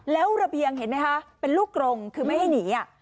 แล้วระเบียงเห็นไหมคะเป็นลูกกรงคือไม่ให้หนี